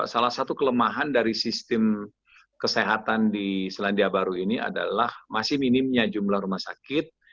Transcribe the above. salah satu kelemahan dari sistem kesehatan di selandia baru ini adalah masih minimnya jumlah rumah sakit